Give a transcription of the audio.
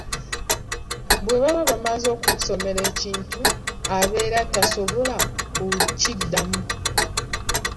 Bwe baba bamaze okumusomera ekintu abeera tasobola kukiddamu.